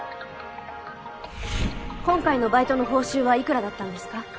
今回のバイトの報酬はいくらだったんですか？